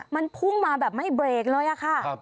มันพุ่งมาแบบไม่เบรกเลยค่ะ